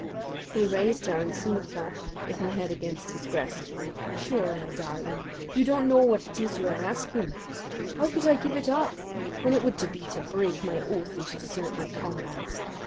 He raised her and soothed her with her head against his breast. "Sure, my darlin', you don't know what it is you are asking. How could I give it up when it would be to break my oath and to desert my comrades?